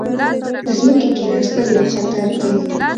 د ځمکې کیناستل یو خطر دی.